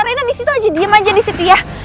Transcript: rina disitu aja diem aja disitu ya